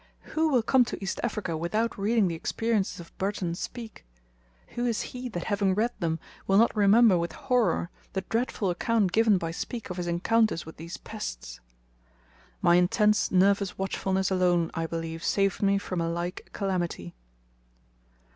Who will come to East Africa without reading the experiences of Burton and Speke? Who is he that having read them will not remember with horror the dreadful account given by Speke of his encounters with these pests? My intense nervous watchfulness alone, I believe, saved me from a like calamity.